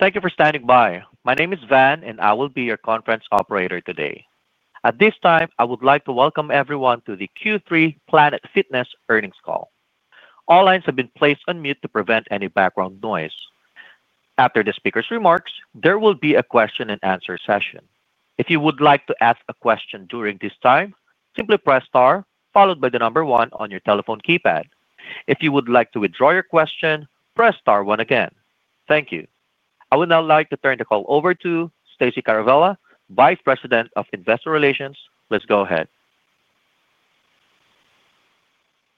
Thank you for standing by. My name is Van, and I will be your conference operator today. At this time, I would like to welcome everyone to the Q3 Planet Fitness earnings call. All lines have been placed on mute to prevent any background noise. After the speaker's remarks, there will be a question-and-answer session. If you would like to ask a question during this time, simply press star, followed by the number one on your telephone keypad. If you would like to withdraw your question, press star one again. Thank you. I would now like to turn the call over to Stacey Caravella, Vice President of Investor Relations. Please go ahead.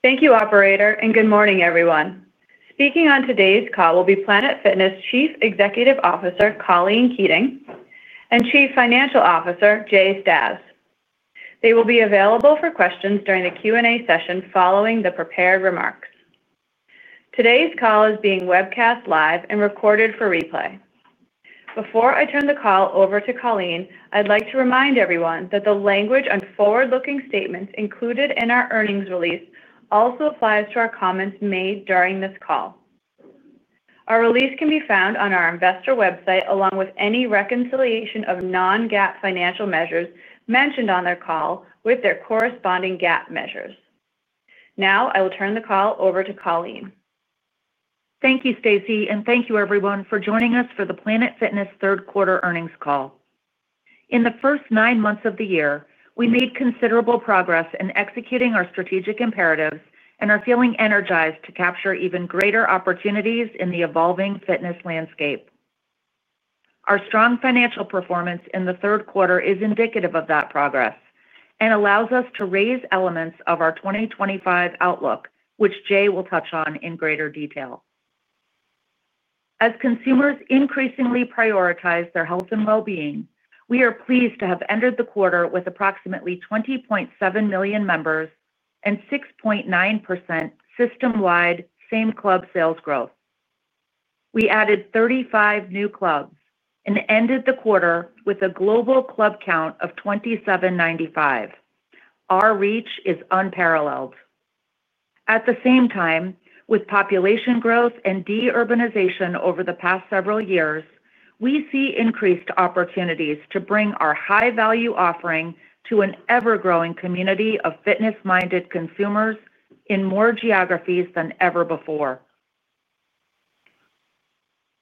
Thank you, Operator, and good morning, everyone. Speaking on today's call will be Planet Fitness Chief Executive Officer Colleen Keating and Chief Financial Officer Jay Stasz. They will be available for questions during the Q&A session following the prepared remarks. Today's call is being webcast live and recorded for replay. Before I turn the call over to Colleen, I'd like to remind everyone that the language on forward-looking statements included in our earnings release also applies to our comments made during this call. Our release can be found on our investor website along with any reconciliation of non-GAAP financial measures mentioned on this call with their corresponding GAAP measures. Now, I will turn the call over to Colleen. Thank you, Stacey, and thank you, everyone, for joining us for the Planet Fitness third quarter earnings call. In the first nine months of the year, we made considerable progress in executing our strategic imperatives and are feeling energized to capture even greater opportunities in the evolving fitness landscape. Our strong financial performance in the third quarter is indicative of that progress and allows us to raise elements of our 2025 outlook, which Jay will touch on in greater detail. As consumers increasingly prioritize their health and well-being, we are pleased to have entered the quarter with approximately 20.7 million members and 6.9% system-wide Same Club sales growth. We added 35 new clubs and ended the quarter with a global club count of 2,795. Our reach is unparalleled. At the same time, with population growth and deurbanization over the past several years, we see increased opportunities to bring our high-value offering to an ever-growing community of fitness-minded consumers in more geographies than ever before.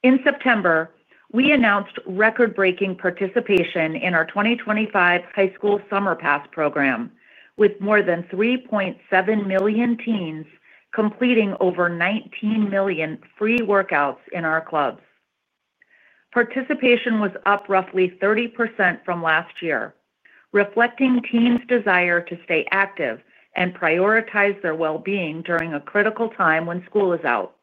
In September, we announced record-breaking participation in our 2025 High School Summer Pass program, with more than 3.7 million teens completing over 19 million free workouts in our clubs. Participation was up roughly 30% from last year, reflecting teens' desire to stay active and prioritize their well-being during a critical time when school is out.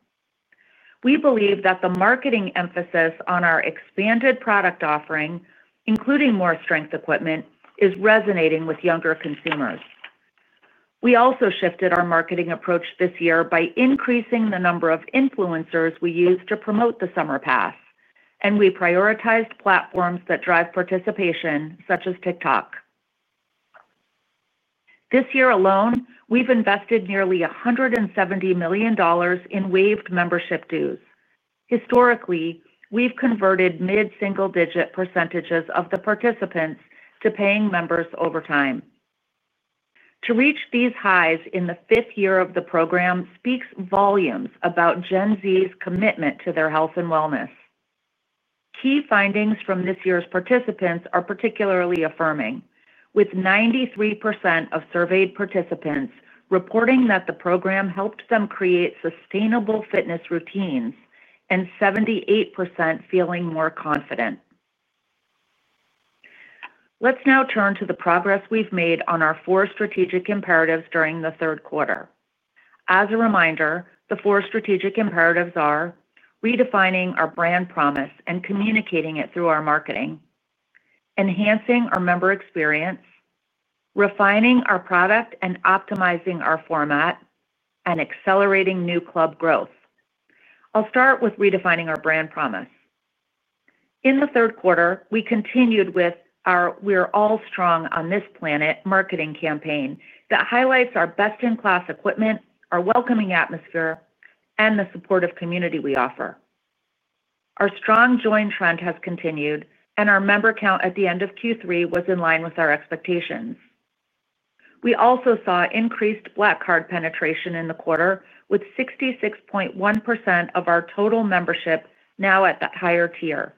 We believe that the marketing emphasis on our expanded product offering, including more strength equipment, is resonating with younger consumers. We also shifted our marketing approach this year by increasing the number of influencers we use to promote the Summer Pass, and we prioritized platforms that drive participation, such as TikTok. This year alone, we've invested nearly $170 million in waived membership dues. Historically, we've converted mid-single-digit percentages of the participants to paying members over time. To reach these highs in the fifth year of the program speaks volumes about Gen Z's commitment to their health and wellness. Key findings from this year's participants are particularly affirming, with 93% of surveyed participants reporting that the program helped them create sustainable fitness routines and 78% feeling more confident. Let's now turn to the progress we've made on our four strategic imperatives during the third quarter. As a reminder, the four strategic imperatives are: redefining our brand promise and communicating it through our marketing. Enhancing our member experience. Refining our product and optimizing our format, and accelerating new club growth. I'll start with redefining our brand promise. In the third quarter, we continued with our "We're all strong on this planet" marketing campaign that highlights our best-in-class equipment, our welcoming atmosphere, and the supportive community we offer. Our strong join trend has continued, and our member count at the end of Q3 was in line with our expectations. We also saw increased Black Card penetration in the quarter, with 66.1% of our total membership now at that higher tier,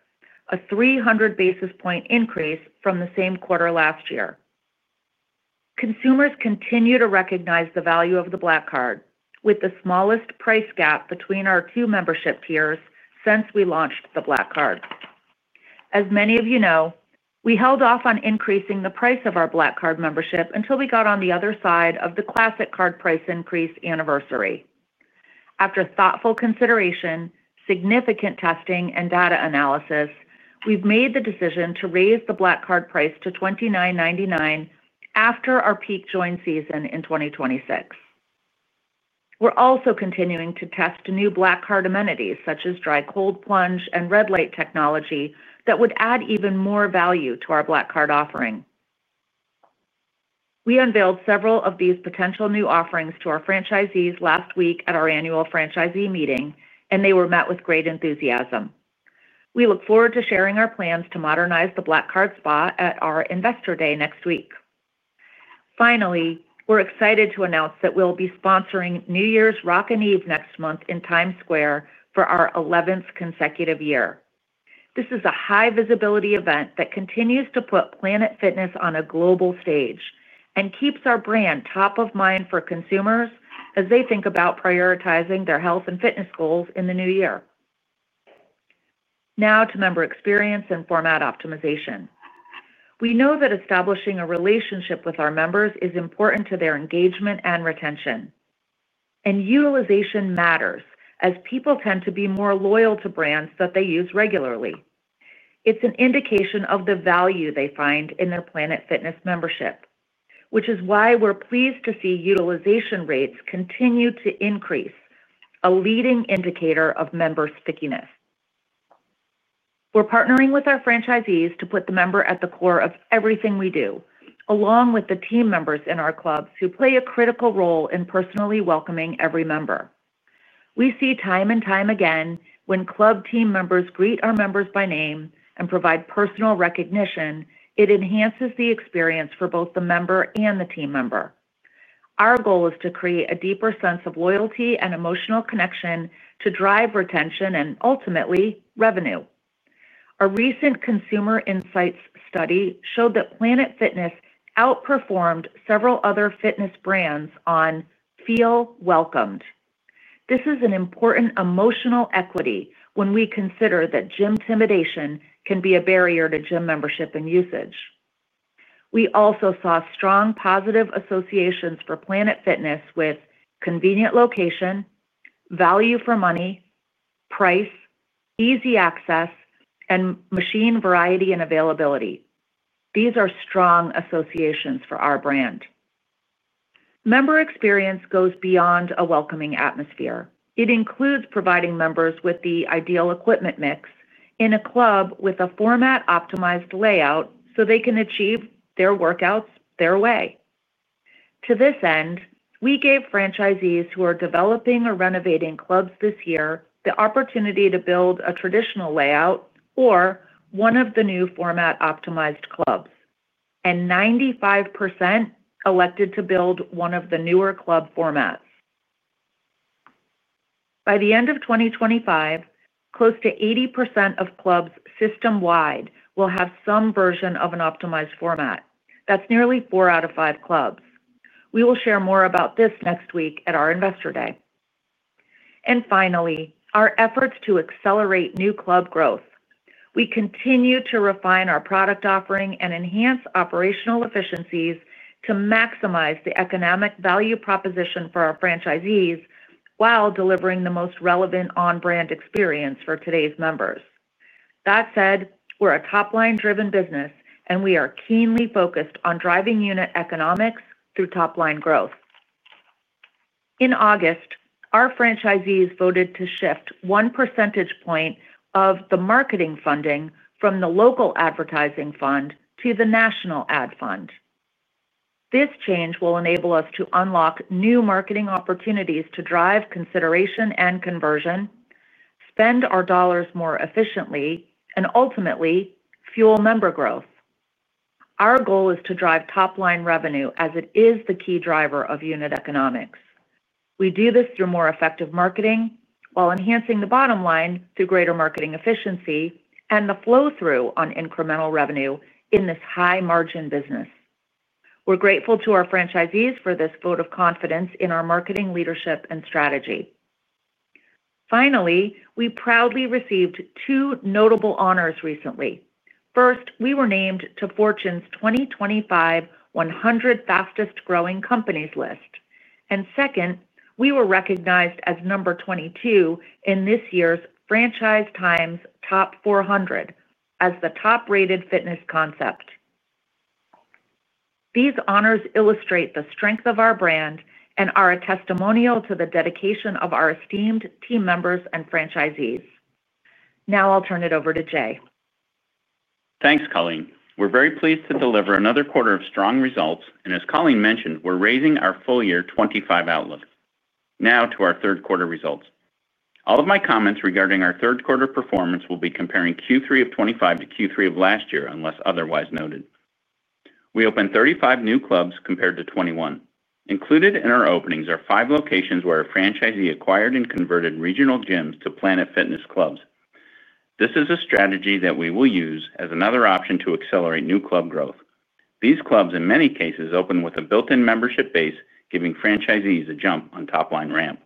a 300 basis point increase from the same quarter last year. Consumers continue to recognize the value of the Black Card, with the smallest price gap between our two membership tiers since we launched the Black Card. As many of you know, we held off on increasing the price of our Black Card membership until we got on the other side of the Classic Card price increase anniversary. After thoughtful consideration, significant testing, and data analysis, we've made the decision to raise the Black Card price to $29.99 after our peak join season in 2026. We're also continuing to test new Black Card amenities such as dry cold plunge and red light technology that would add even more value to our Black Card offering. We unveiled several of these potential new offerings to our franchisees last week at our annual franchisee meeting, and they were met with great enthusiasm. We look forward to sharing our plans to modernize the Black Card Spa at our Investor Day next week. Finally, we're excited to announce that we'll be sponsoring New Year's Rockin' Eve next month in Times Square for our 11th consecutive year. This is a high-visibility event that continues to put Planet Fitness on a global stage and keeps our brand top of mind for consumers as they think about prioritizing their health and fitness goals in the new year. Now to member experience and format optimization. We know that establishing a relationship with our members is important to their engagement and retention. Utilization matters as people tend to be more loyal to brands that they use regularly. It's an indication of the value they find in their Planet Fitness membership, which is why we're pleased to see utilization rates continue to increase, a leading indicator of member stickiness. We're partnering with our franchisees to put the member at the core of everything we do, along with the team members in our clubs who play a critical role in personally welcoming every member. We see time and time again when club team members greet our members by name and provide personal recognition, it enhances the experience for both the member and the team member. Our goal is to create a deeper sense of loyalty and emotional connection to drive retention and ultimately revenue. A recent consumer Insights study showed that Planet Fitness outperformed several other fitness brands on "Feel Welcomed." This is an important emotional equity when we consider that gym intimidation can be a barrier to gym membership and usage. We also saw strong positive associations for Planet Fitness with convenient location, value for money, price, easy access, and machine variety and availability. These are strong associations for our brand. Member experience goes beyond a welcoming atmosphere. It includes providing members with the ideal equipment mix in a club with a format-optimized layout so they can achieve their workouts their way. To this end, we gave franchisees who are developing or renovating clubs this year the opportunity to build a traditional layout or one of the new format-optimized clubs, and 95% elected to build one of the newer club formats. By the end of 2025, close to 80% of clubs system-wide will have some version of an optimized format. That is nearly four out of five clubs. We will share more about this next week at our Investor Day. Finally, our efforts to accelerate new club growth. We continue to refine our product offering and enhance operational efficiencies to maximize the economic value proposition for our franchisees while delivering the most relevant on-brand experience for today's members. That said, we are a top-line-driven business, and we are keenly focused on driving unit economics through top-line growth. In August, our franchisees voted to shift one percentage point of the marketing funding from the local advertising fund to the national ad fund. This change will enable us to unlock new marketing opportunities to drive consideration and conversion, spend our dollars more efficiently, and ultimately fuel member growth. Our goal is to drive top-line revenue as it is the key driver of unit economics. We do this through more effective marketing while enhancing the bottom line through greater marketing efficiency and the flow-through on incremental revenue in this high-margin business. We're grateful to our franchisees for this vote of confidence in our marketing leadership and strategy. Finally, we proudly received two notable honors recently. First, we were named to Fortune's 2025 100 fastest-growing companies list. Second, we were recognized as number 22 in this year's Franchise Times Top 400 as the top-rated fitness concept. These honors illustrate the strength of our brand and are a testimonial to the dedication of our esteemed team members and franchisees. Now I'll turn it over to Jay. Thanks, Colleen. We're very pleased to deliver another quarter of strong results, and as Colleen mentioned, we're raising our full year 2025 outlets. Now to our third-quarter results. All of my comments regarding our third quarter performance will be comparing Q3 of 2025 to Q3 of last year unless otherwise noted. We opened 35 new clubs compared to 21. Included in our openings are five locations where a franchisee acquired and converted regional gyms to Planet Fitness clubs. This is a strategy that we will use as another option to accelerate new club growth. These clubs, in many cases, open with a built-in membership base, giving franchisees a jump on top-line ramp.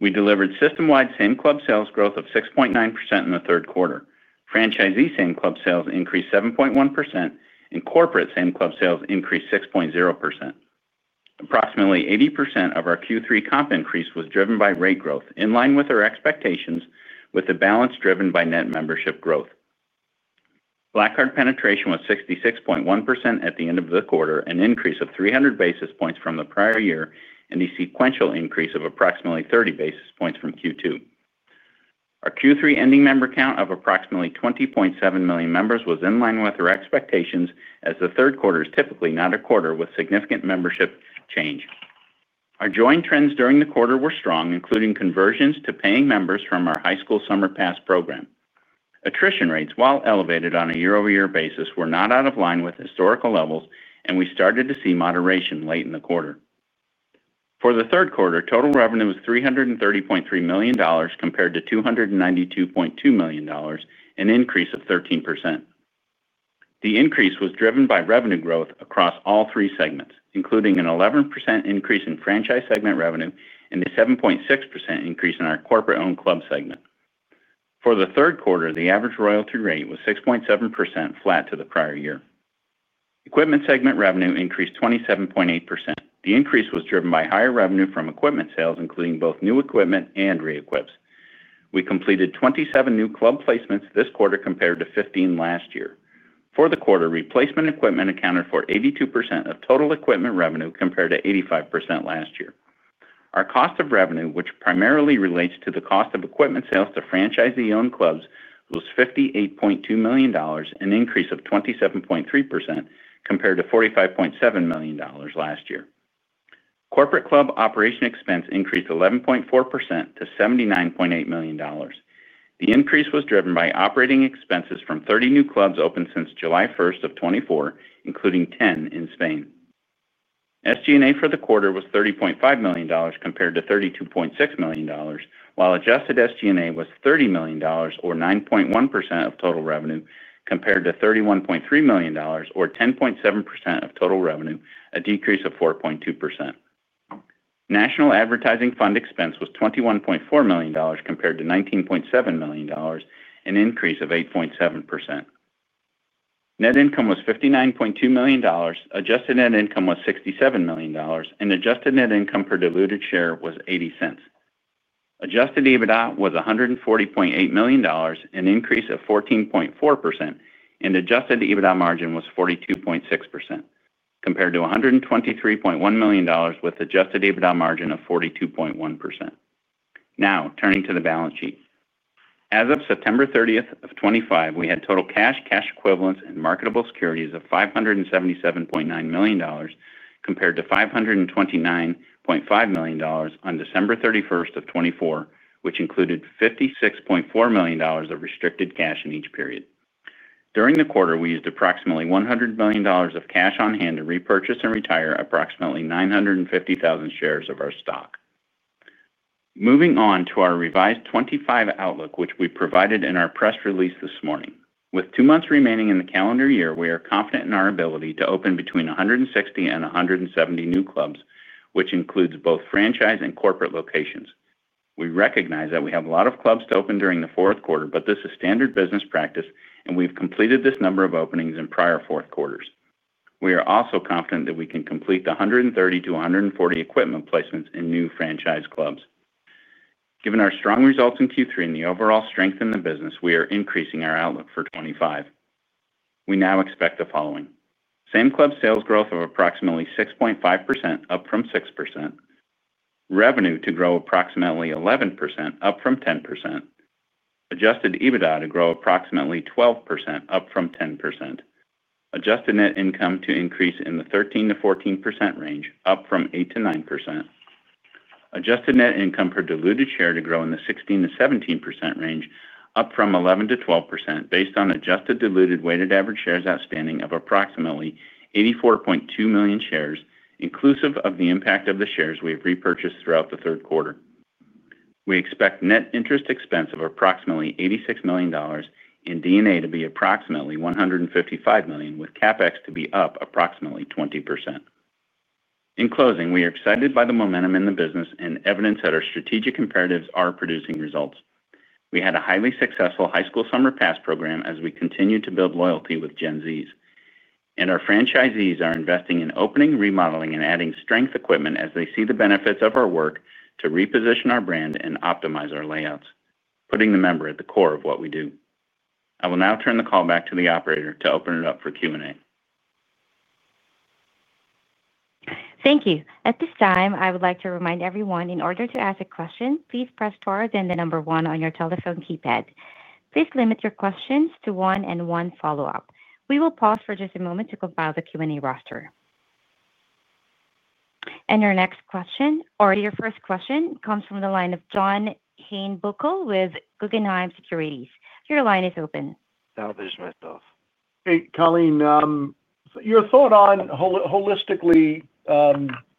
We delivered system-wide Same Club sales growth of 6.9% in the third quarter. Franchisee same club sales increased 7.1%, and corporate same club sales increased 6.0%. Approximately 80% of our Q3 comp increase was driven by rate growth in line with our expectations, with the balance driven by net membership growth. Black Card penetration was 66.1% at the end of the quarter, an increase of 300 basis points from the prior year, and a sequential increase of approximately 30 basis points from Q2. Our Q3 ending member count of approximately 20.7 million members was in line with our expectations as the third quarter is typically not a quarter with significant membership change. Our join trends during the quarter were strong, including conversions to paying members from our High School Summer Pass program. Attrition rates, while elevated on a year-over-year basis, were not out of line with historical levels, and we started to see moderation late in the quarter. For the third quarter, total revenue was $330.3 million compared to $292.2 million, an increase of 13%. The increase was driven by revenue growth across all three segments, including an 11% increase in franchise segment revenue and a 7.6% increase in our corporate-owned club segment. For the third quarter, the average royalty rate was 6.7%, flat to the prior year. Equipment segment revenue increased 27.8%. The increase was driven by higher revenue from equipment sales, including both new equipment and re-equips. We completed 27 new club placements this quarter compared to 15 last year. For the quarter, replacement equipment accounted for 82% of total equipment revenue compared to 85% last year. Our cost of revenue, which primarily relates to the cost of equipment sales to franchisee-owned clubs, was $58.2 million, an increase of 27.3% compared to $45.7 million last year. Corporate club operation expense increased 11.4% to $79.8 million. The increase was driven by operating expenses from 30 new clubs opened since July 1st, 2024, including 10 in Spain. SG&A for the quarter was $30.5 million compared to $32.6 million, while adjusted SG&A was $30 million, or 9.1% of total revenue, compared to $31.3 million, or 10.7% of total revenue, a decrease of 4.2%. National Advertising Fund expense was $21.4 million compared to $19.7 million, an increase of 8.7%. Net income was $59.2 million. Adjusted net income was $67 million, and adjusted net income per diluted share was $0.80. Adjusted EBITDA was $140.8 million, an increase of 14.4%, and adjusted EBITDA margin was 42.6% compared to $123.1 million with adjusted EBITDA margin of 42.1%. Now, turning to the balance sheet. As of September 30th, 2025, we had total cash, cash equivalents, and marketable securities of $577.9 million compared to $529.5 million on December 31st, 2024, which included $56.4 million of restricted cash in each period. During the quarter, we used approximately $100 million of cash on hand to repurchase and retire approximately 950,000 shares of our stock. Moving on to our revised 2025 outlook, which we provided in our press release this morning. With two months remaining in the calendar year, we are confident in our ability to open between 160 and 170 new clubs, which includes both franchise and corporate locations. We recognize that we have a lot of clubs to open during the fourth quarter, but this is standard business practice, and we've completed this number of openings in prior fourth quarters. We are also confident that we can complete the 130-140 equipment placements in new franchise clubs. Given our strong results in Q3 and the overall strength in the business, we are increasing our outlook for 2025. We now expect the following: Same club sales growth of approximately 6.5%, up from 6%. Revenue to grow approximately 11%, up from 10%. Adjusted EBITDA to grow approximately 12%, up from 10%. Adjusted net income to increase in the 13%-14% range, up from 8-9%. Adjusted net income per diluted share to grow in the 16%-17% range, up from 11-12% based on adjusted diluted weighted average shares outstanding of approximately 84.2 million shares, inclusive of the impact of the shares we have repurchased throughout the third quarter. We expect net interest expense of approximately $86 million. DD&A to be approximately $155 million, with CapEx to be up approximately 20%. In closing, we are excited by the momentum in the business and evidence that our strategic imperatives are producing results. We had a highly successful High School Summer Pass program as we continue to build loyalty with Gen Zs. Our franchisees are investing in opening, remodeling, and adding strength equipment as they see the benefits of our work to reposition our brand and optimize our layouts, putting the member at the core of what we do. I will now turn the call back to the operator to open it up for Q&A. Thank you. At this time, I would like to remind everyone, in order to ask a question, please press star then the number one on your telephone keypad. Please limit your questions to one and one follow-up. We will pause for just a moment to compile the Q&A roster. Our next question, or your first question, comes from the line of John Heinbockel with Guggenheim Securities. Your line is open. Salvage myself. Hey, Colleen. Your thought on holistically.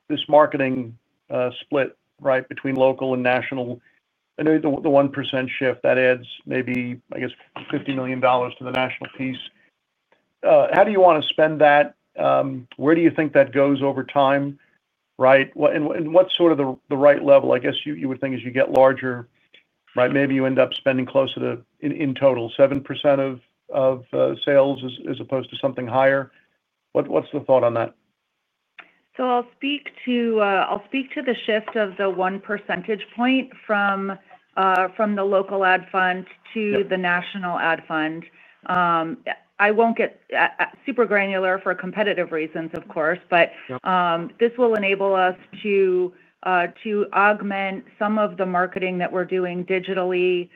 This marketing. Split between local and national. I know the 1% shift, that adds maybe, I guess, $50 million to the national piece. How do you want to spend that? Where do you think that goes over time? What's sort of the right level, I guess you would think, as you get larger, maybe you end up spending closer to, in total, 7% of sales as opposed to something higher? What's the thought on that? I'll speak to the shift of the 1 percentage point from the local ad fund to the national ad fund. I won't get super granular for competitive reasons, of course, but this will enable us to augment some of the marketing that we're doing digitally,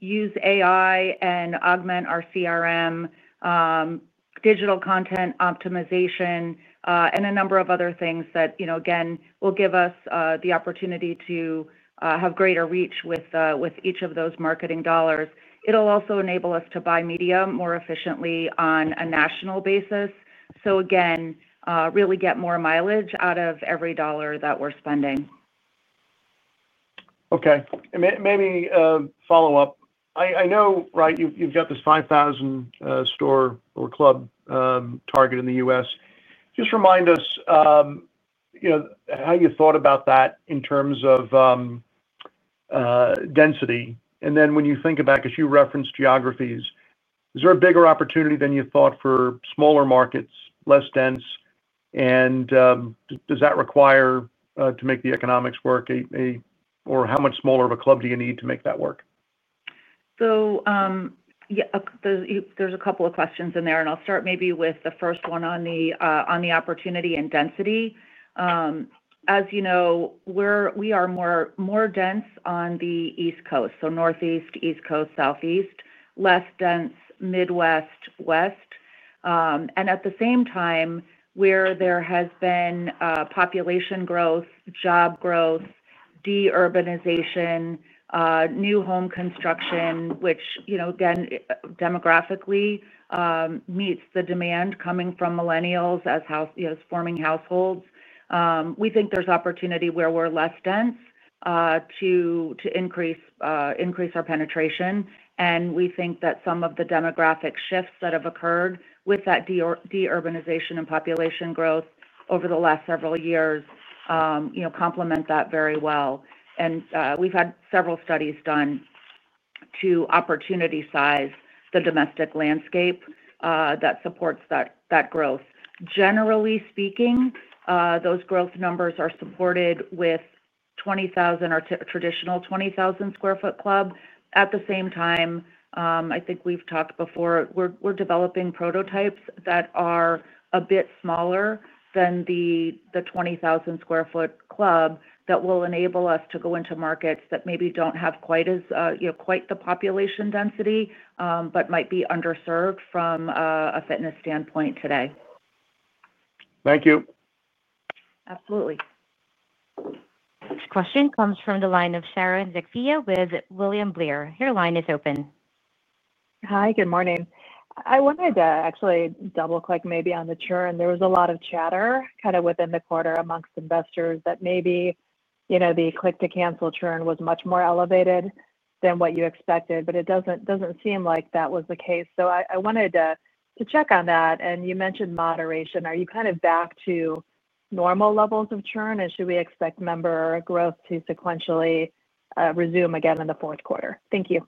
use AI, and augment our CRM, digital content optimization, and a number of other things that, again, will give us the opportunity to have greater reach with each of those marketing dollars. It'll also enable us to buy media more efficiently on a national basis. Again, really get more mileage out of every dollar that we're spending. Okay. Maybe follow-up. I know you've got this 5,000 store or club target in the U.S. Just remind us how you thought about that in terms of density. And then when you think about, because you referenced geographies, is there a bigger opportunity than you thought for smaller markets, less dense? And does that require to make the economics work? Or how much smaller of a club do you need to make that work? There's a couple of questions in there, and I'll start maybe with the first one on the opportunity and density. As you know, we are more dense on the East Coast, so Northeast, East Coast, Southeast, less dense Midwest, West. At the same time, where there has been population growth, job growth, deurbanization, new home construction, which again, demographically, meets the demand coming from millennials as forming households. We think there's opportunity where we're less dense to increase our penetration. We think that some of the demographic shifts that have occurred with that deurbanization and population growth over the last several years complement that very well. We've had several studies done to opportunity size the domestic landscape that supports that growth. Generally speaking, those growth numbers are supported with traditional 20,000 sq ft club. At the same time, I think we've talked before, we're developing prototypes that are a bit smaller than the 20,000 sq ft club that will enable us to go into markets that maybe don't have quite the population density but might be underserved from a fitness standpoint today. Thank you. Absolutely. This question comes from the line of Sharon Zackfia with William Blair. Your line is open. Hi, good morning. I wanted to actually double-click maybe on the churn. There was a lot of chatter kind of within the quarter amongst investors that maybe the click-to-cancel churn was much more elevated than what you expected, but it does not seem like that was the case. I wanted to check on that. You mentioned moderation. Are you kind of back to normal levels of churn, or should we expect member growth to sequentially resume again in the fourth quarter? Thank you.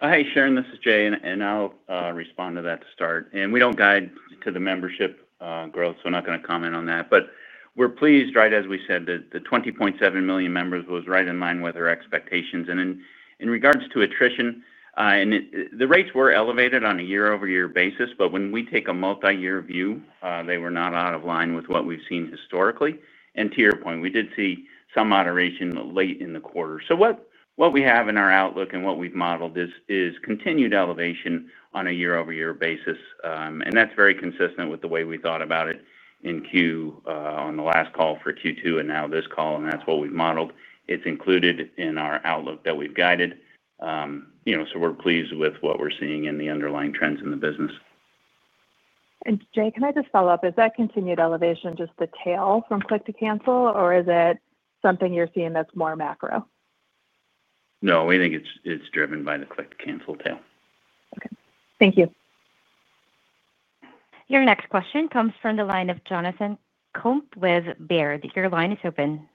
Hey, Sharon, this is Jay, and I'll respond to that to start. We don't guide to the membership growth, so I'm not going to comment on that. We're pleased, right as we said, that the 20.7 million members was right in line with our expectations. In regards to attrition, the rates were elevated on a year-over-year basis, but when we take a multi-year view, they were not out of line with what we've seen historically. To your point, we did see some moderation late in the quarter. What we have in our outlook and what we've modeled is continued elevation on a year-over-year basis. That's very consistent with the way we thought about it in Q on the last call for Q2 and now this call, and that's what we've modeled. It's included in our outlook that we've guided. We're pleased with what we're seeing in the underlying trends in the business. Jay, can I just follow up? Is that continued elevation just the tail from click-to-cancel, or is it something you're seeing that's more macro? No, we think it's driven by the click-to-cancel tail. Okay. Thank you. Your next question comes from the line of Jonathan Komp with Baird. Your line is open.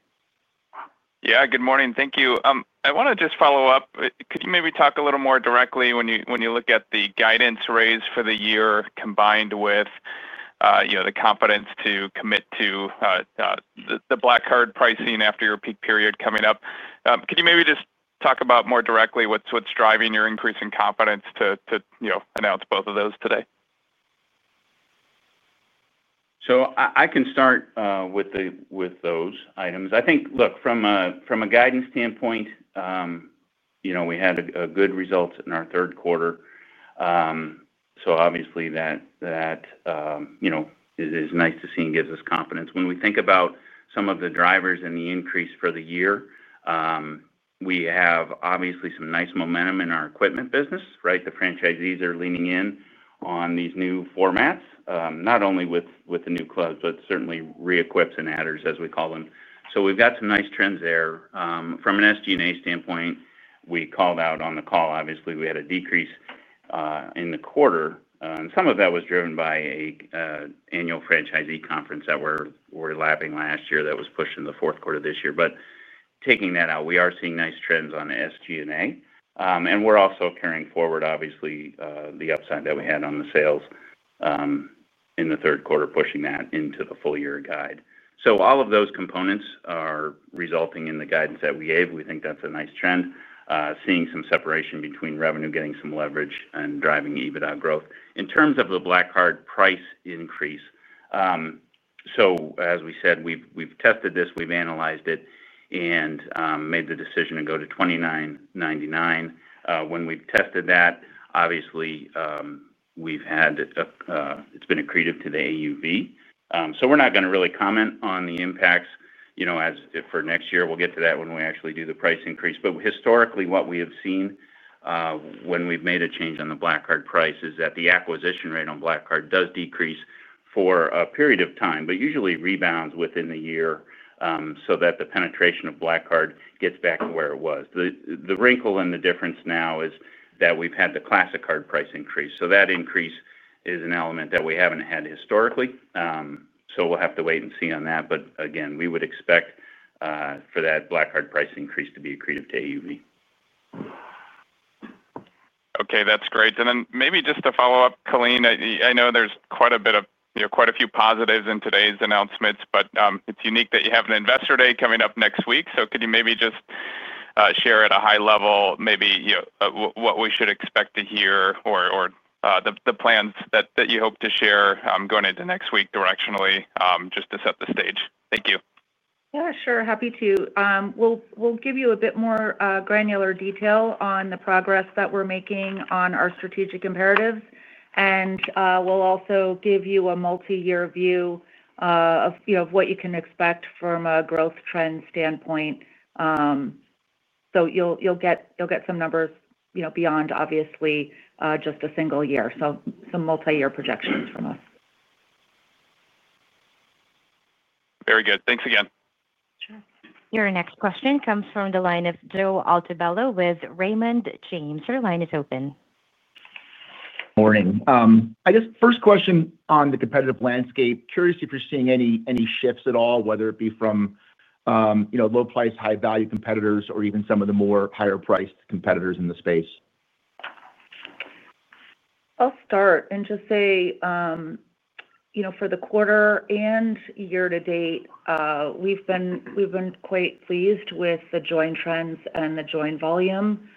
Yeah, good morning. Thank you. I want to just follow up. Could you maybe talk a little more directly when you look at the guidance raise for the year combined with the confidence to commit to the Black Card pricing after your peak period coming up? Could you maybe just talk about more directly what's driving your increasing confidence to announce both of those today? I can start with those items. I think, look, from a guidance standpoint, we had a good result in our third quarter. That is nice to see and gives us confidence. When we think about some of the drivers and the increase for the year, we have obviously some nice momentum in our equipment business, right? The franchisees are leaning in on these new formats, not only with the new clubs, but certainly re-equips and adders, as we call them. We have some nice trends there. From an SG&A standpoint, we called out on the call, obviously, we had a decrease in the quarter. Some of that was driven by an annual franchisee conference that we are lapping last year that was pushed in the fourth quarter this year. Taking that out, we are seeing nice trends on the SG&A. We're also carrying forward, obviously, the upside that we had on the sales in the third quarter, pushing that into the full-year guide. All of those components are resulting in the guidance that we gave. We think that's a nice trend, seeing some separation between revenue, getting some leverage, and driving EBITDA growth. In terms of the Black Card price increase, as we said, we've tested this, we've analyzed it, and made the decision to go to $29.99. When we've tested that, obviously, we've had, it's been accretive to the AUV. We're not going to really comment on the impacts for next year. We'll get to that when we actually do the price increase. But historically, what we have seen. When we've made a change on the Black Card price is that the acquisition rate on Black Card does decrease for a period of time, but usually rebounds within a year so that the penetration of Black Card gets back to where it was. The wrinkle in the difference now is that we've had the Classic Card price increase. That increase is an element that we haven't had historically. We will have to wait and see on that. Again, we would expect for that Black Card price increase to be accretive to AUV. Okay, that's great. Maybe just to follow up, Colleen, I know there's quite a few positives in today's announcements, but it's unique that you have an investor day coming up next week. Could you maybe just share at a high level maybe what we should expect to hear or the plans that you hope to share going into next week directionally just to set the stage? Thank you. Yeah, sure. Happy to. We'll give you a bit more granular detail on the progress that we're making on our strategic imperatives. We'll also give you a multi-year view of what you can expect from a growth trend standpoint. You'll get some numbers beyond, obviously, just a single year. Some multi-year projections from us. Very good. Thanks again. Sure. Your next question comes from the line of Joe Altobello with Raymond James. Your line is open. Morning. I guess first question on the competitive landscape, curious if you're seeing any shifts at all, whether it be from low-priced, high-value competitors or even some of the more higher-priced competitors in the space. I'll start and just say, for the quarter and year to date, we've been quite pleased with the join trends and the join volume.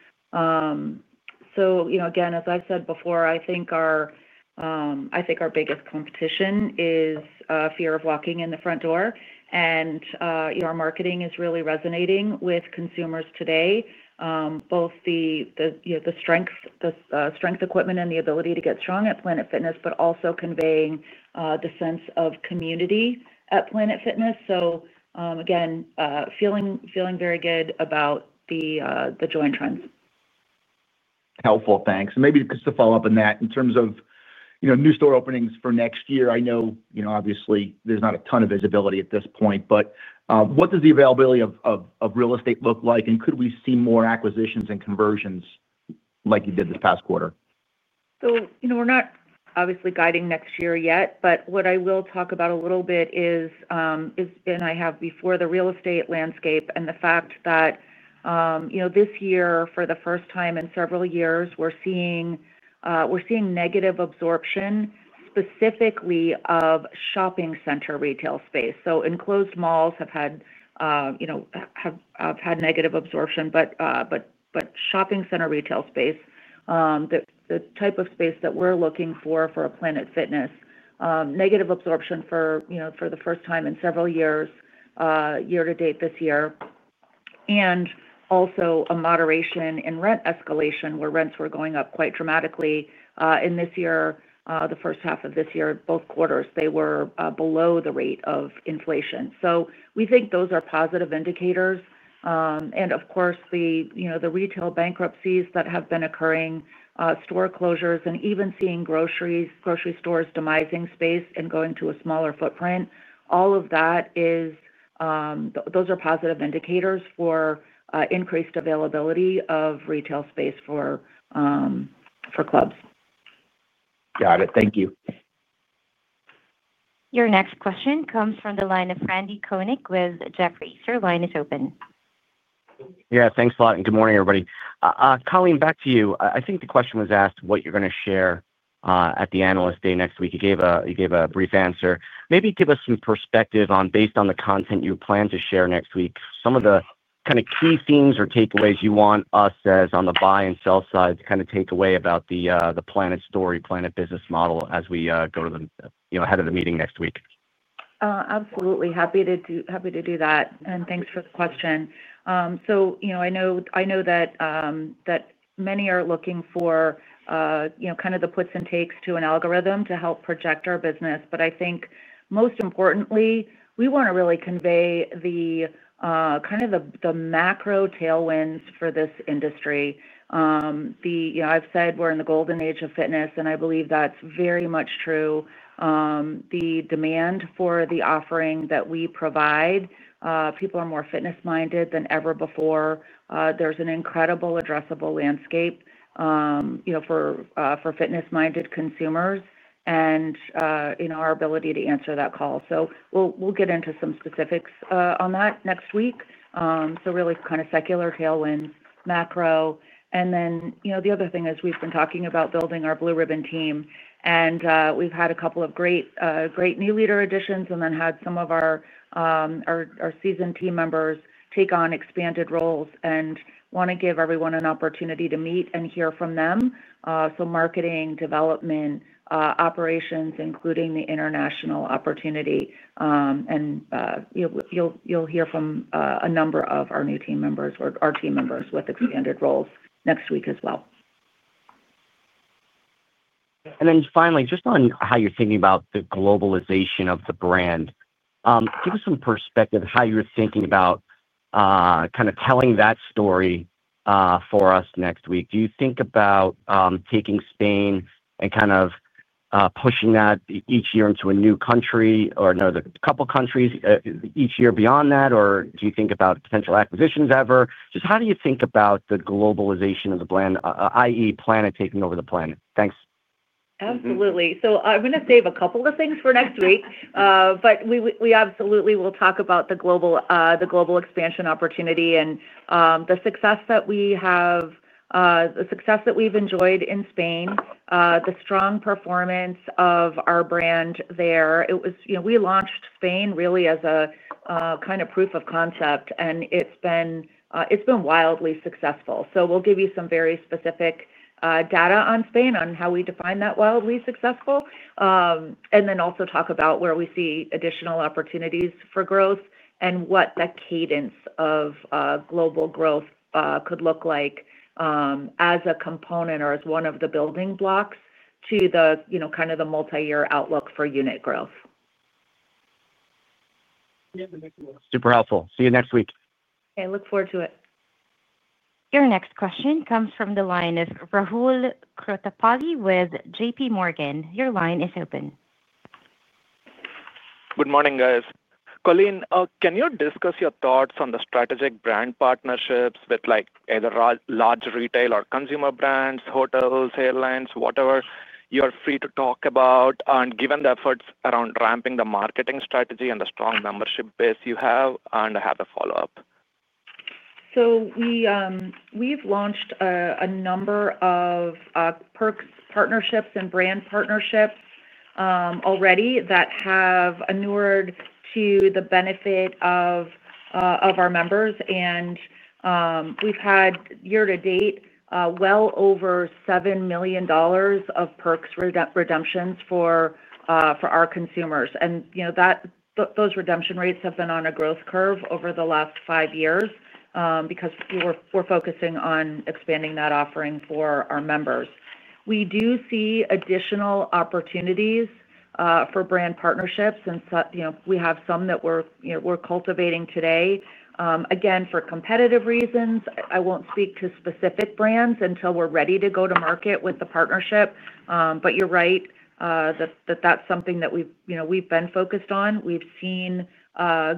Again, as I've said before, I think our biggest competition is fear of walking in the front door. Our marketing is really resonating with consumers today. Both the strength equipment and the ability to get strong at Planet Fitness, but also conveying the sense of community at Planet Fitness. Again, feeling very good about the join trends. Helpful. Thanks. Maybe just to follow up on that, in terms of new store openings for next year, I know obviously there's not a ton of visibility at this point, but what does the availability of real estate look like? Could we see more acquisitions and conversions like you did this past quarter? We're not obviously guiding next year yet, but what I will talk about a little bit is, and I have before, the real estate landscape and the fact that this year, for the first time in several years, we're seeing negative absorption specifically of shopping center retail space. Enclosed malls have had negative absorption, but shopping center retail space, the type of space that we're looking for for a Planet Fitness, negative absorption for the first time in several years, year to date this year. Also, a moderation in rent escalation where rents were going up quite dramatically. In this year, the first half of this year, both quarters, they were below the rate of inflation. We think those are positive indicators. Of course, the retail bankruptcies that have been occurring, store closures, and even seeing grocery stores demising space and going to a smaller footprint, all of that is. Those are positive indicators for increased availability of retail space for clubs. Got it. Thank you. Your next question comes from the line of Randy Konik with Jefferies. Line is open. Yeah, thanks a lot. Good morning, everybody. Colleen, back to you. I think the question was asked what you're going to share at the analyst day next week. You gave a brief answer. Maybe give us some perspective on, based on the content you plan to share next week, some of the kind of key themes or takeaways you want us as on the buy and sell side to kind of take away about the Planet story, Planet business model as we go to the ahead of the meeting next week. Absolutely. Happy to do that. Thanks for the question. I know that many are looking for kind of the puts and takes to an algorithm to help project our business. I think most importantly, we want to really convey the kind of the macro tailwinds for this industry. I've said we're in the golden age of fitness, and I believe that's very much true. The demand for the offering that we provide, people are more fitness-minded than ever before. There's an incredible addressable landscape for fitness-minded consumers and our ability to answer that call. We'll get into some specifics on that next week. Really kind of secular tailwinds, macro. The other thing is we've been talking about building our Blue Ribbon team. We've had a couple of great new leader additions and then had some of our seasoned team members take on expanded roles and want to give everyone an opportunity to meet and hear from them. Marketing, development, operations, including the international opportunity. You will hear from a number of our new team members or our team members with expanded roles next week as well. Finally, just on how you're thinking about the globalization of the brand. Give us some perspective of how you're thinking about kind of telling that story for us next week. Do you think about taking Spain and kind of pushing that each year into a new country or a couple of countries each year beyond that? Or do you think about potential acquisitions ever? Just how do you think about the globalization of the brand, i.e., Planet taking over the planet? Thanks. Absolutely. I'm going to save a couple of things for next week, but we absolutely will talk about the global expansion opportunity and the success that we have, the success that we've enjoyed in Spain, the strong performance of our brand there. We launched Spain really as a kind of proof of concept, and it's been wildly successful. We'll give you some very specific data on Spain on how we define that wildly successful, and then also talk about where we see additional opportunities for growth and what the cadence of global growth could look like as a component or as one of the building blocks to kind of the multi-year outlook for unit growth. Super helpful. See you next week. Okay. Look forward to it. Your next question comes from the line of Rahul Krotthapalli with JPMorgan. Your line is open. Good morning, guys. Colleen, can you discuss your thoughts on the strategic brand partnerships with either large retail or consumer brands, hotels, airlines, whatever you're free to talk about? Given the efforts around ramping the marketing strategy and the strong membership base you have, I have a follow-up. We have launched a number of perk partnerships and brand partnerships already that have inured to the benefit of our members. We have had year to date well over $7 million of perks redemptions for our consumers. Those redemption rates have been on a growth curve over the last five years because we are focusing on expanding that offering for our members. We do see additional opportunities for brand partnerships, and we have some that we are cultivating today. Again, for competitive reasons, I will not speak to specific brands until we are ready to go to market with the partnership. You are right that that is something that we have been focused on. We have seen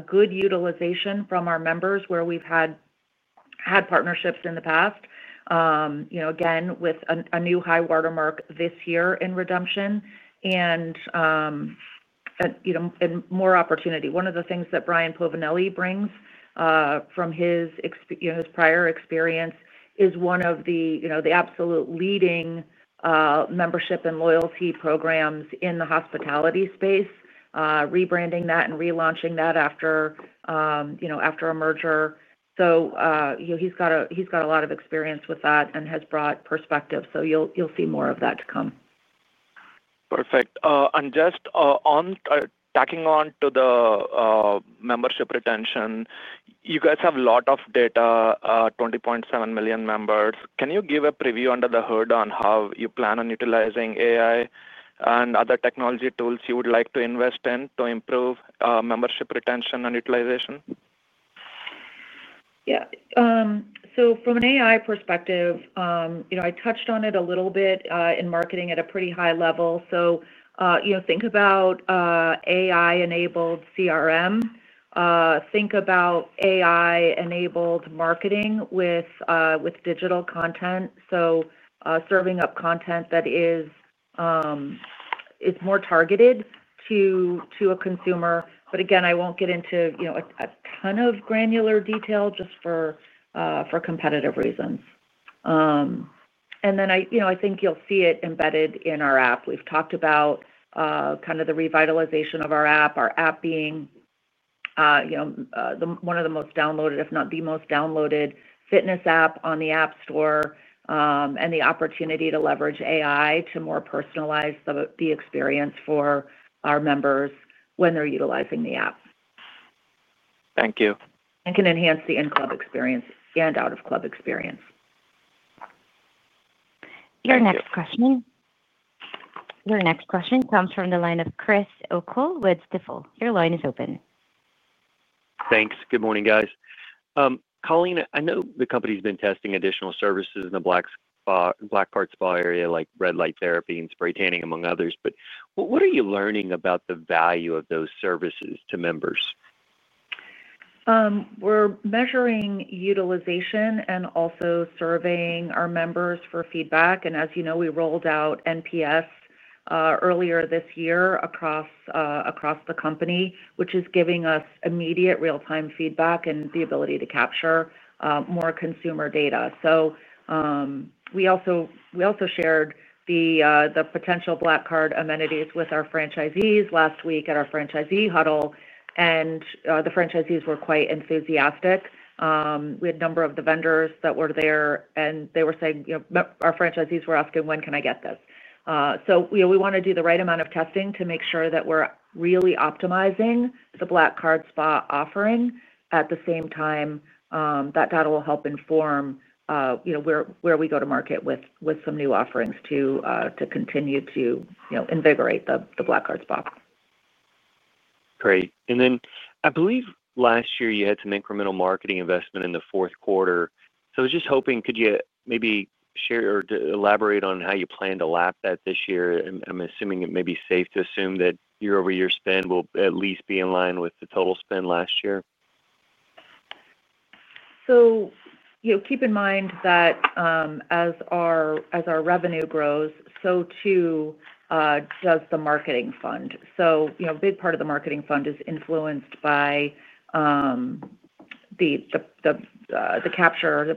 good utilization from our members where we have had partnerships in the past, again with a new high watermark this year in redemption and more opportunity. One of the things that Brian Povinelli brings from his. Prior experience is one of the absolute leading membership and loyalty programs in the hospitality space. Rebranding that and relaunching that after a merger. So he's got a lot of experience with that and has brought perspective. You'll see more of that to come. Perfect. Just tacking on to the membership retention, you guys have a lot of data, 20.7 million members. Can you give a preview under the hood on how you plan on utilizing AI and other technology tools you would like to invest in to improve membership retention and utilization? Yeah. From an AI perspective, I touched on it a little bit in marketing at a pretty high level. Think about AI-enabled CRM. Think about AI-enabled marketing with digital content. Serving up content that is more targeted to a consumer. I will not get into a ton of granular detail just for competitive reasons. I think you will see it embedded in our app. We have talked about the revitalization of our app, our app being one of the most downloaded, if not the most downloaded fitness app on the App Store, and the opportunity to leverage AI to more personalize the experience for our members when they are utilizing the app. Thank you. It can enhance the in-club experience and out-of-club experience. Your next question comes from the line of Chris O'Cull with Stifel. Your line is open. Thanks. Good morning, guys. Colleen, I know the company's been testing additional services in the Black Card Spa area like red light therapy and spray tanning, among others. What are you learning about the value of those services to members? We're measuring utilization and also surveying our members for feedback. As you know, we rolled out NPS earlier this year across the company, which is giving us immediate real-time feedback and the ability to capture more consumer data. We also shared the potential Black Card amenities with our franchisees last week at our franchisee huddle, and the franchisees were quite enthusiastic. We had a number of the vendors that were there, and they were saying our franchisees were asking, "When can I get this?" We want to do the right amount of testing to make sure that we're really optimizing the Black Card Spa offering at the same time. That will help inform where we go to market with some new offerings to continue to invigorate the Black Card Spa. Great. I believe last year you had some incremental marketing investment in the fourth quarter. I was just hoping could you maybe share or elaborate on how you plan to lap that this year? I'm assuming it may be safe to assume that your over-year spend will at least be in line with the total spend last year. Keep in mind that as our revenue grows, so too does the marketing fund. A big part of the marketing fund is influenced by the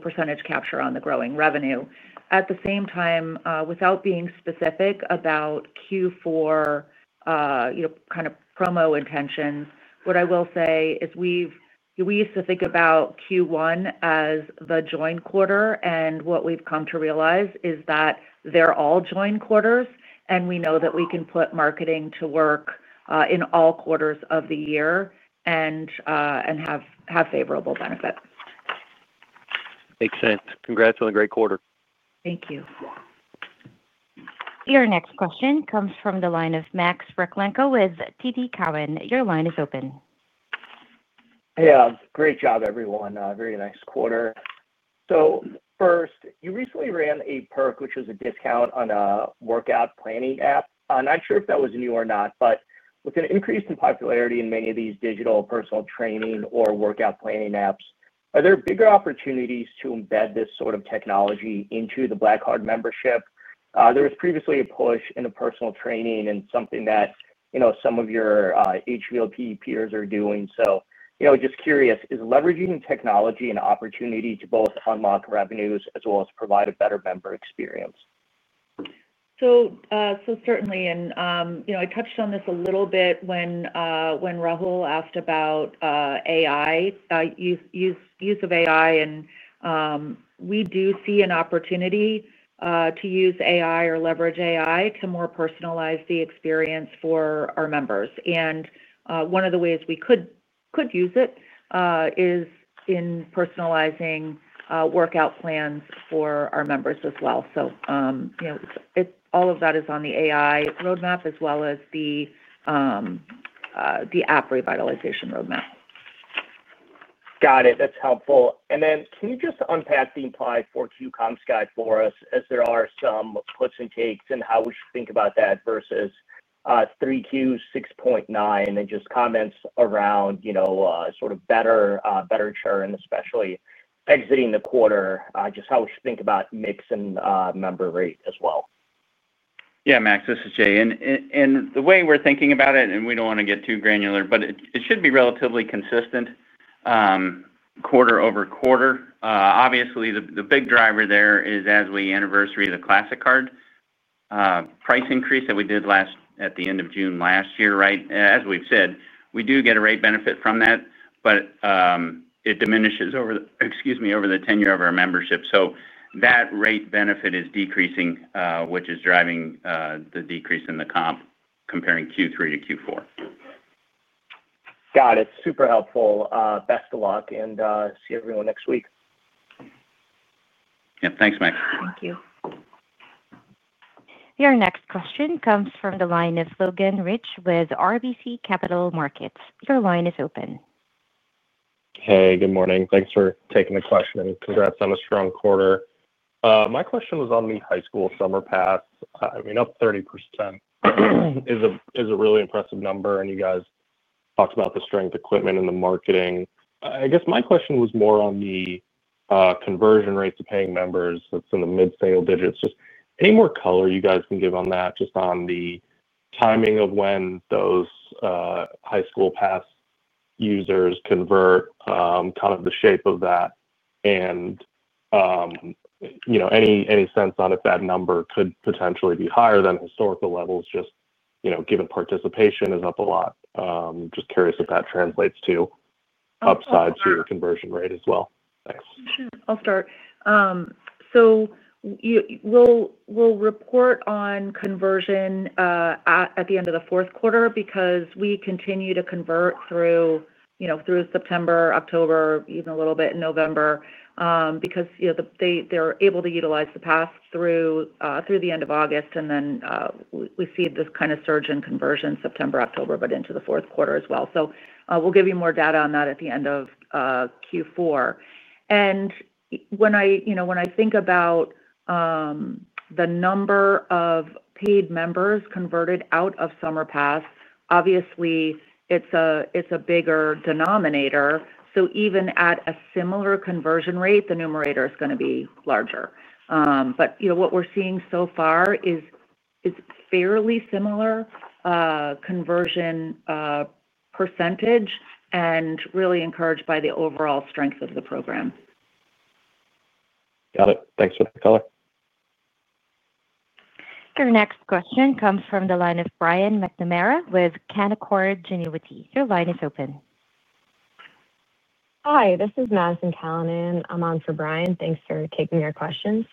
percentage capture on the growing revenue. At the same time, without being specific about Q4 promo intentions, what I will say is we used to think about Q1 as the join quarter. What we've come to realize is that they're all join quarters. We know that we can put marketing to work in all quarters of the year and have favorable benefits. Makes sense. Congrats on a great quarter. Thank you. Your next question comes from the line of Max Rakhlenko with TD Cowen. Your line is open. Hey. Great job, everyone. Very nice quarter. First, you recently ran a perk, which was a discount on a workout planning app. I'm not sure if that was new or not, but with an increase in popularity in many of these digital personal training or workout planning apps, are there bigger opportunities to embed this sort of technology into the Black Card membership? There was previously a push into personal training and something that some of your HVLP peers are doing. Just curious, is leveraging technology an opportunity to both unlock revenues as well as provide a better member experience? Certainly. I touched on this a little bit when Rahul asked about AI, use of AI. We do see an opportunity to use AI or leverage AI to more personalize the experience for our members. One of the ways we could use it is in personalizing workout plans for our members as well. All of that is on the AI roadmap as well as the app revitalization roadmap. Got it. That's helpful. Can you just unpack the implied 4Q comp sky for us as there are some puts and takes and how we should think about that versus 3Q 6.9% and just comments around sort of better churn, especially exiting the quarter, just how we should think about mix and member rate as well? Yeah, Max, this is Jay. The way we're thinking about it, and we don't want to get too granular, but it should be relatively consistent quarter over quarter. Obviously, the big driver there is, as we anniversary the Classic Card price increase that we did at the end of June last year, right? As we've said, we do get a rate benefit from that, but it diminishes over the, excuse me, over the tenure of our membership. That rate benefit is decreasing, which is driving the decrease in the comp comparing Q3 to Q4. Got it. Super helpful. Best of luck and see everyone next week. Yeah. Thanks, Max. Thank you. Your next question comes from the line of Logan Reich with RBC Capital Markets. Your line is open. Hey, good morning. Thanks for taking the question. Congrats on a strong quarter. My question was on the High School Summer Pass. I mean, up 30%. Is a really impressive number. And you guys talked about the strength equipment and the marketing. I guess my question was more on the conversion rate to paying members that's in the mid-single digits. Just any more color you guys can give on that, just on the timing of when those High School Pass users convert, kind of the shape of that. And any sense on if that number could potentially be higher than historical levels, just given participation is up a lot. Just curious if that translates to upsides to your conversion rate as well. Thanks. Sure. I'll start. We'll report on conversion at the end of the fourth quarter because we continue to convert through September, October, even a little bit in November. They're able to utilize the pass through the end of August, and then we see this kind of surge in conversion September, October, but into the fourth quarter as well. We'll give you more data on that at the end of Q4. When I think about the number of paid members converted out of summer pass, obviously, it's a bigger denominator, so even at a similar conversion rate, the numerator is going to be larger. What we're seeing so far is fairly similar conversion percentage and really encouraged by the overall strength of the program. Got it. Thanks for the color. Your next question comes from the line of Brian McNamara with Canaccord Genuity. Your line is open. Hi. This is Madison Callinan. I'm on for Brian. Thanks for taking your questions.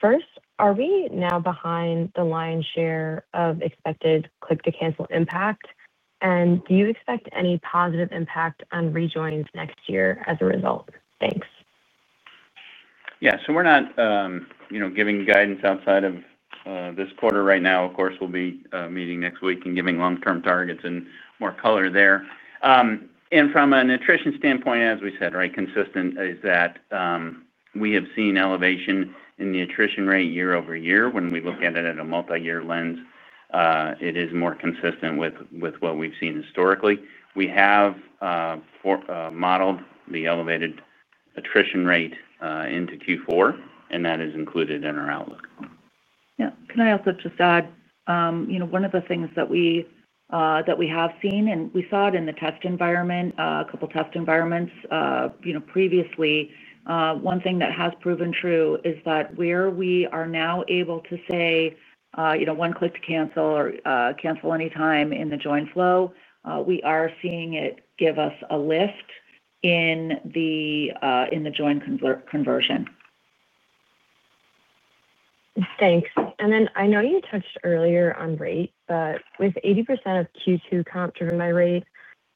First, are we now behind the lion's share of expected click-to-cancel impact? And do you expect any positive impact on rejoins next year as a result? Thanks. Yeah. We're not giving guidance outside of this quarter right now. Of course, we'll be meeting next week and giving long-term targets and more color there. From an attrition standpoint, as we said, right, consistent is that we have seen elevation in the attrition rate year over year. When we look at it at a multi-year lens, it is more consistent with what we've seen historically. We have modeled the elevated attrition rate into Q4, and that is included in our outlook. Yeah. Can I also just add one of the things that we have seen, and we saw it in the test environment, a couple of test environments previously. One thing that has proven true is that where we are now able to say, "One click to cancel or cancel anytime" in the join flow, we are seeing it give us a lift in the join conversion. Thanks. I know you touched earlier on rate, but with 80% of Q2 comp driven by rate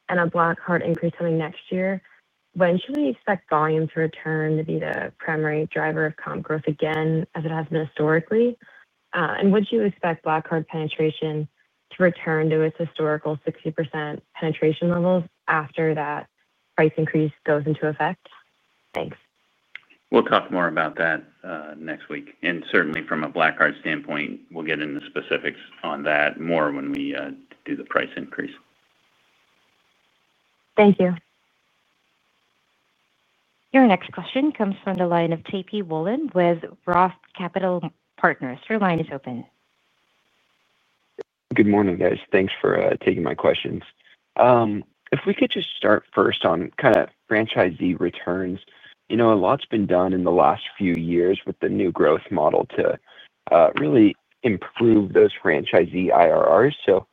and a Black Card increase coming next year, when should we expect volume to return to be the primary driver of comp growth again as it has been historically? Would you expect Black Card penetration to return to its historical 60% penetration levels after that price increase goes into effect? Thanks. We'll talk more about that next week. Certainly, from a Black Card standpoint, we'll get into specifics on that more when we do the price increase. Thank you. Your next question comes from the line of JP Wollam with ROTH Capital Partners. Your line is open. Good morning, guys. Thanks for taking my questions. If we could just start first on kind of franchisee returns, a lot's been done in the last few years with the new growth model to really improve those franchisee IRRs. So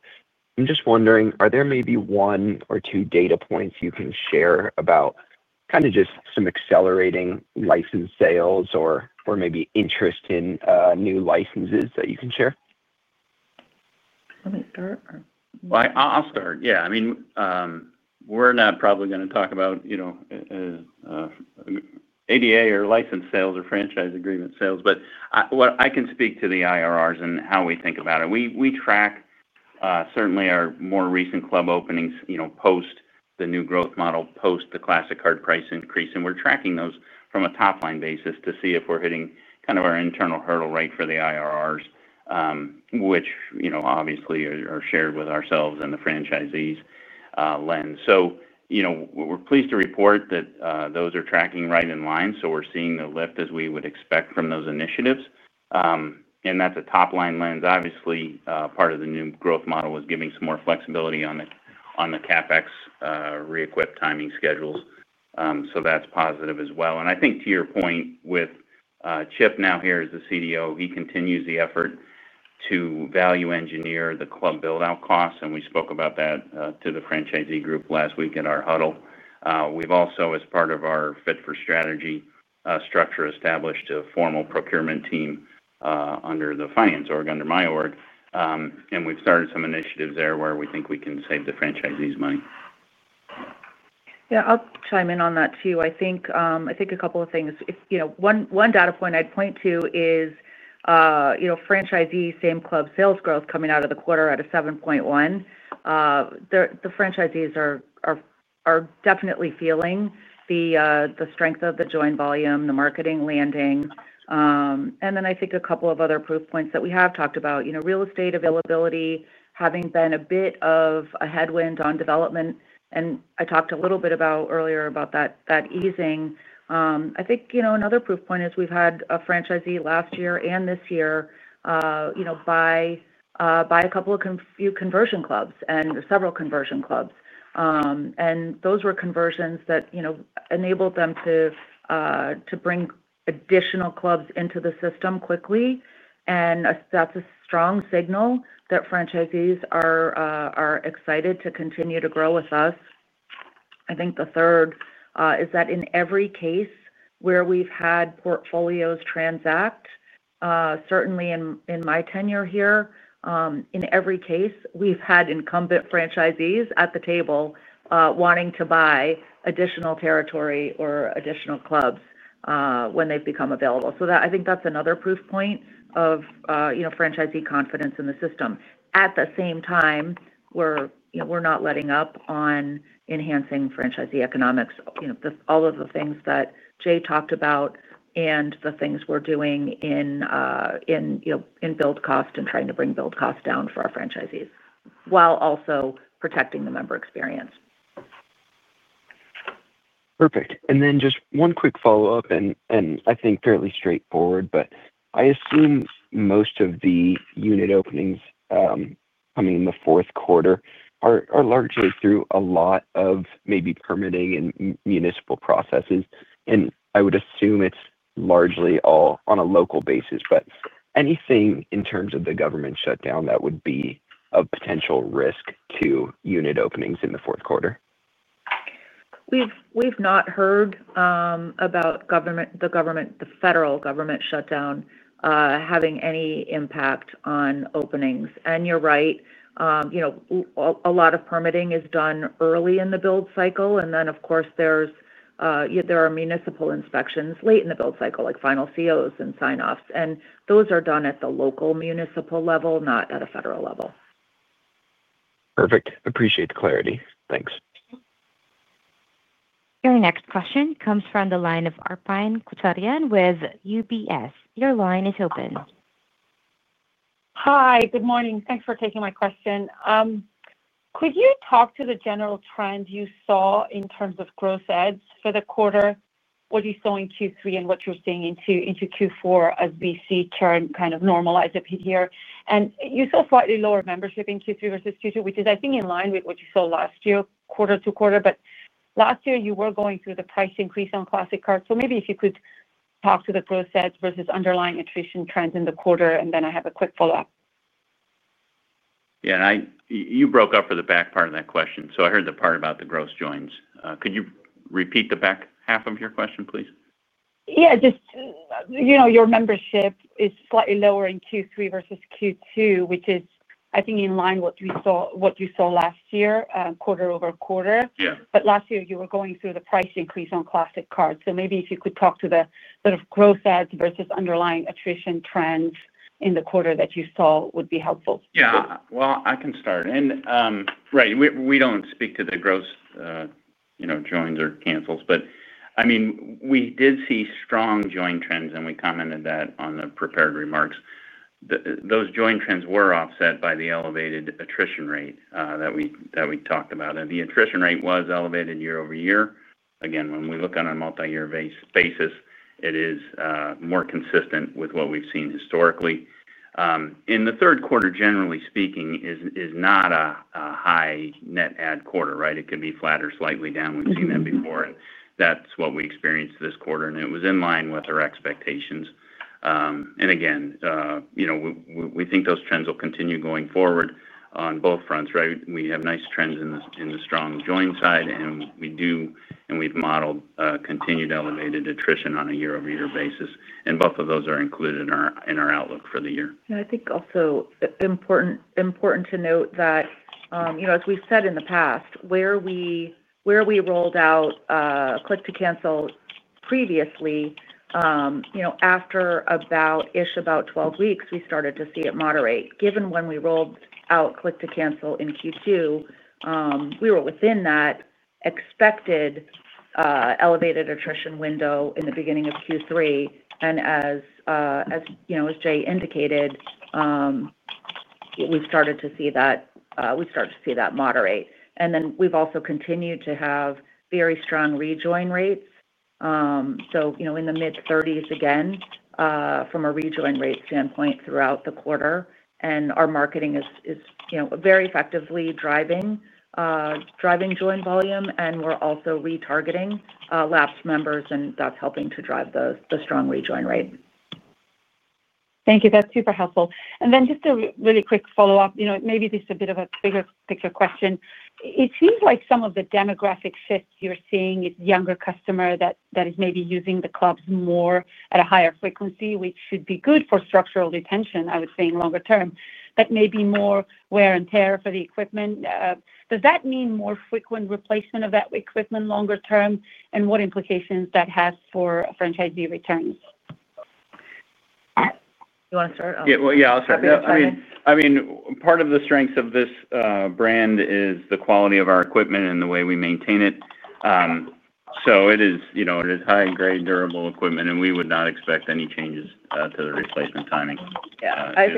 I'm just wondering, are there maybe one or two data points you can share about kind of just some accelerating license sales or maybe interest in new licenses that you can share? I'll start. Yeah. I mean, we're not probably going to talk about ADA or license sales or franchise agreement sales, but I can speak to the IRRs and how we think about it. We track certainly our more recent club openings post the new growth model, post the Classic Card price increase. We're tracking those from a top-line basis to see if we're hitting kind of our internal hurdle rate for the IRRs, which obviously are shared with ourselves and the franchisees' lens. We're pleased to report that those are tracking right in line. We're seeing the lift as we would expect from those initiatives, and that's a top-line lens. Obviously, part of the new growth model was giving some more flexibility on the CapEx re-equip timing schedules. That's positive as well. I think to your point with. Chip now here as the CDO, he continues the effort to value engineer the club buildout costs. We spoke about that to the franchisee group last week at our huddle. We have also, as part of our Fit for Strategy structure, established a formal procurement team under the finance org, under my org. We have started some initiatives there where we think we can save the franchisees money. Yeah. I'll chime in on that too. I think a couple of things. One data point I'd point to is franchisee same club sales growth coming out of the quarter at a 7.1. The franchisees are definitely feeling the strength of the join volume, the marketing landing. I think a couple of other proof points that we have talked about: real estate availability, having been a bit of a headwind on development. I talked a little bit earlier about that easing. I think another proof point is we've had a franchisee last year and this year buy a couple of few conversion clubs and several conversion clubs. Those were conversions that enabled them to bring additional clubs into the system quickly. That's a strong signal that franchisees are excited to continue to grow with us. I think the third is that in every case where we've had portfolios transact, certainly in my tenure here, in every case, we've had incumbent franchisees at the table wanting to buy additional territory or additional clubs when they've become available. I think that's another proof point of franchisee confidence in the system. At the same time, we're not letting up on enhancing franchisee economics, all of the things that Jay talked about and the things we're doing in build cost and trying to bring build cost down for our franchisees while also protecting the member experience. Perfect. And then just one quick follow-up, and I think fairly straightforward, but I assume most of the unit openings coming in the fourth quarter are largely through a lot of maybe permitting and municipal processes. I would assume it is largely all on a local basis, but anything in terms of the government shutdown that would be a potential risk to unit openings in the fourth quarter? We've not heard about the federal government shutdown having any impact on openings. You're right, a lot of permitting is done early in the build cycle. Of course, there are municipal inspections late in the build cycle, like final COs and sign-offs. Those are done at the local municipal level, not at a federal level. Perfect. Appreciate the clarity. Thanks. Your next question comes from the line of Arpine Kocharian with UBS. Your line is open. Hi. Good morning. Thanks for taking my question. Could you talk to the general trends you saw in terms of gross ads for the quarter? What are you seeing in Q3 and what you're seeing into Q4 as we see kind of normalize a bit here? You saw slightly lower membership in Q3 versus Q2, which is, I think, in line with what you saw last year, quarter to quarter. Last year, you were going through the price increase on Classic Card. Maybe if you could talk to the gross ads versus underlying attrition trends in the quarter, and then I have a quick follow-up. Yeah. You broke up for the back part of that question. I heard the part about the gross joins. Could you repeat the back half of your question, please? Yeah. Your membership is slightly lower in Q3 versus Q2, which is, I think, in line with what you saw last year, quarter over quarter. Last year, you were going through the price increase on Classic Card. Maybe if you could talk to the sort of gross ads versus underlying attrition trends in the quarter that you saw, would be helpful. Yeah. I can start. Right. We do not speak to the gross joins or cancels. I mean, we did see strong join trends, and we commented on that in the prepared remarks. Those join trends were offset by the elevated attrition rate that we talked about. The attrition rate was elevated year over year. Again, when we look on a multi-year basis, it is more consistent with what we have seen historically. In the third quarter, generally speaking, it is not a high net add quarter, right? It could be flat or slightly down. We have seen that before. That is what we experienced this quarter. It was in line with our expectations. Again, we think those trends will continue going forward on both fronts, right? We have nice trends in the strong join side, and we have modeled continued elevated attrition on a year-over-year basis. Both of those are included in our outlook for the year. I think also important to note that, as we've said in the past, where we rolled out click-to-cancel previously, after about 12 weeks, we started to see it moderate. Given when we rolled out click-to-cancel in Q2, we were within that expected elevated attrition window in the beginning of Q3. As Jay indicated, we started to see that moderate. We've also continued to have very strong rejoin rates, so in the mid-30% again from a rejoin rate standpoint throughout the quarter. Our marketing is very effectively driving join volume, and we're also retargeting lapsed members, and that's helping to drive the strong rejoin rate. Thank you. That's super helpful. And then just a really quick follow-up. Maybe this is a bit of a bigger question. It seems like some of the demographic shifts you're seeing is younger customers that are maybe using the clubs more at a higher frequency, which should be good for structural retention, I would say, in longer term. But maybe more wear and tear for the equipment. Does that mean more frequent replacement of that equipment longer term? And what implications does that have for franchisee returns? You want to start? Yeah. Yeah, I'll start. I mean, part of the strengths of this brand is the quality of our equipment and the way we maintain it. It is high-grade, durable equipment, and we would not expect any changes to the replacement timing for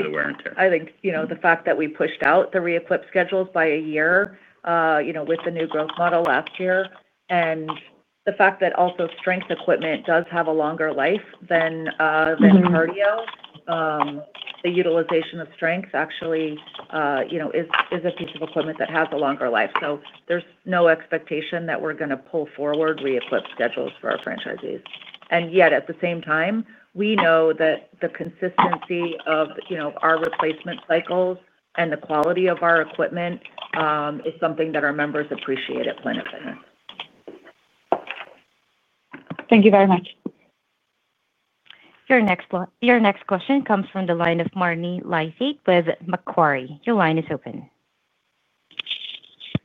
the wear and tear. I think the fact that we pushed out the re-equip schedules by a year with the new growth model last year, and the fact that also strength equipment does have a longer life than cardio. The utilization of strength actually is a piece of equipment that has a longer life. There is no expectation that we are going to pull forward re-equip schedules for our franchisees. Yet, at the same time, we know that the consistency of our replacement cycles and the quality of our equipment is something that our members appreciate at Planet Fitness. Thank you very much. Your next question comes from the line of Marni Lysaght with Macquarie. Your line is open.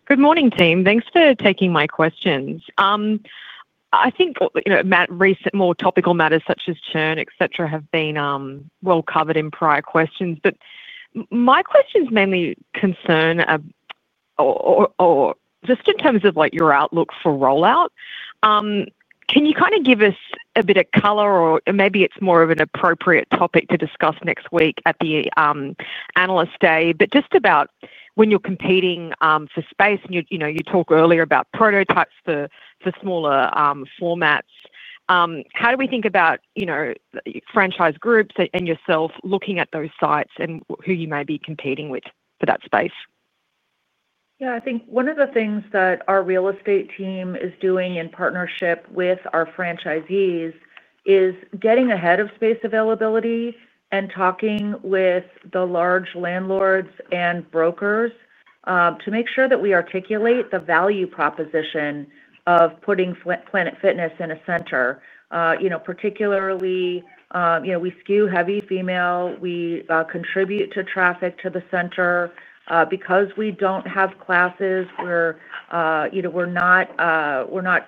Good morning, team. Thanks for taking my questions. I think more topical matters such as churn, etc., have been well covered in prior questions. My questions mainly concern, just in terms of your outlook for rollout. Can you kind of give us a bit of color, or maybe it's more of an appropriate topic to discuss next week at the analyst day, but just about when you're competing for space, and you talked earlier about prototypes for smaller formats. How do we think about franchise groups and yourself looking at those sites and who you may be competing with for that space? Yeah. I think one of the things that our real estate team is doing in partnership with our franchisees is getting ahead of space availability and talking with the large landlords and brokers to make sure that we articulate the value proposition of putting Planet Fitness in a center. Particularly, we skew heavy female. We contribute to traffic to the center. Because we do not have classes, we are not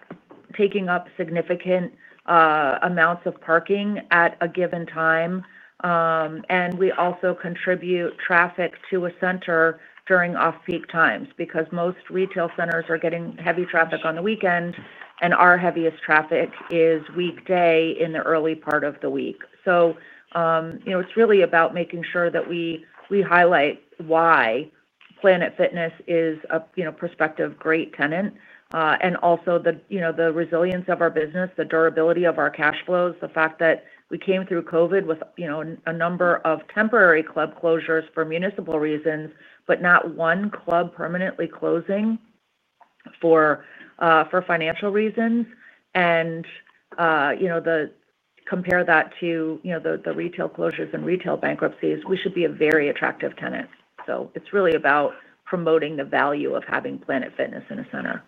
taking up significant amounts of parking at a given time. We also contribute traffic to a center during off-peak times because most retail centers are getting heavy traffic on the weekend, and our heaviest traffic is weekday in the early part of the week. It's really about making sure that we highlight why Planet Fitness is a prospective great tenant and also the resilience of our business, the durability of our cash flows, the fact that we came through COVID with a number of temporary club closures for municipal reasons, but not one club permanently closing for financial reasons. Compare that to the retail closures and retail bankruptcies, we should be a very attractive tenant. It's really about promoting the value of having Planet Fitness in a center.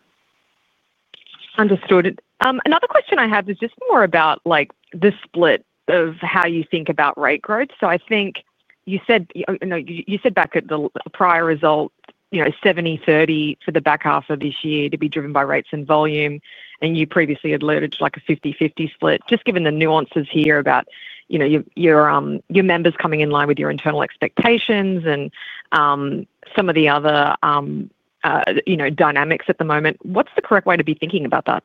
Understood. Another question I have is just more about the split of how you think about rate growth. I think you said back at the prior result, 70/30 for the back half of this year to be driven by rates and volume. You previously had alluded to a 50/50 split. Just given the nuances here about your members coming in line with your internal expectations and some of the other dynamics at the moment, what's the correct way to be thinking about that?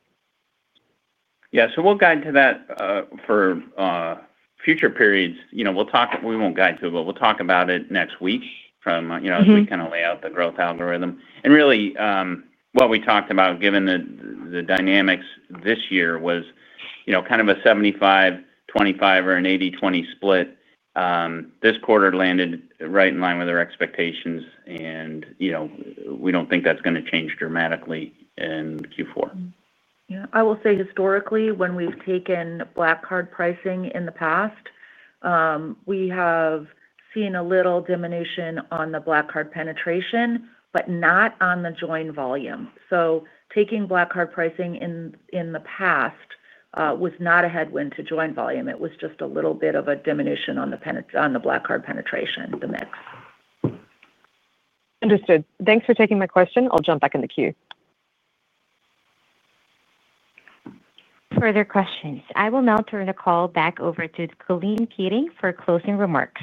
Yeah. We'll guide to that for future periods. We'll talk—we won't guide to it, but we'll talk about it next week as we kind of lay out the growth algorithm. Really, what we talked about, given the dynamics this year, was kind of a 75/25 or an 80/20 split. This quarter landed right in line with our expectations, and we don't think that's going to change dramatically in Q4. Yeah. I will say historically, when we've taken Black Card pricing in the past, we have seen a little diminution on the Black Card penetration, but not on the join volume. Taking Black Card pricing in the past was not a headwind to join volume. It was just a little bit of a diminution on the Black Card penetration, the mix. Understood. Thanks for taking my question. I'll jump back in the queue. Further questions. I will now turn the call back over to Colleen Keating for closing remarks.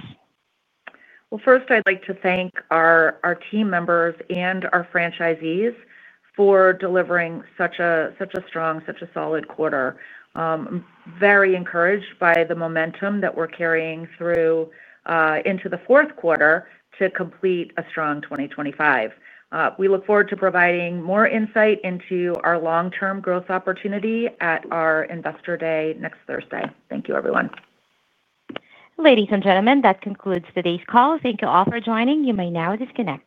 First, I'd like to thank our team members and our franchisees for delivering such a strong, such a solid quarter. I'm very encouraged by the momentum that we're carrying through into the fourth quarter to complete a strong 2025. We look forward to providing more insight into our long-term growth opportunity at our investor day next Thursday. Thank you, everyone. Ladies and gentlemen, that concludes today's call. Thank you all for joining. You may now disconnect.